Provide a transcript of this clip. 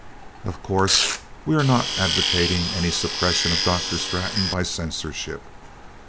Of course, we are not advocating any suppression of Dr. Straton by censorship.